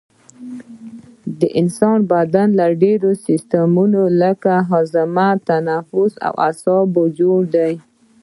د انسان بدن له ډیرو سیستمونو لکه هاضمه تنفس او اعصابو جوړ دی